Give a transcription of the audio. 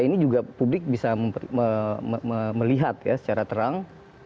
ini juga publik bisa melihat ya secara terang